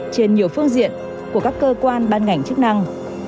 trên nhiều phương diện của các cơ quan ban ngành chức năng